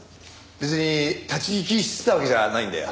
別に立ち聞きしてたわけじゃないんだよ。